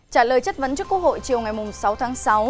trả lời chất vấn trước quốc hội chiều ngày sáu tháng sáu